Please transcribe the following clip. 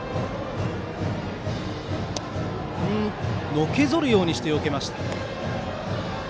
のけぞるようにして、よけました。